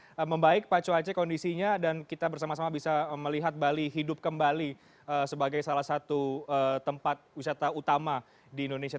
semoga membaik pak cuace kondisinya dan kita bersama sama bisa melihat bali hidup kembali sebagai salah satu tempat wisata utama di indonesia